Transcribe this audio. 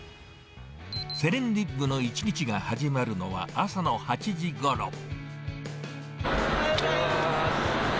セレンディッブの一日が始まるのは、朝の８時ごろ。